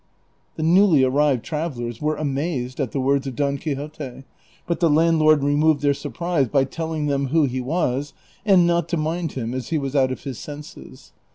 The newly arrived travellers were amazed at the words of Don Quixote ; but the landlord removed their surprise by tell ing them who he was, and not to mind him as he was out of his senses.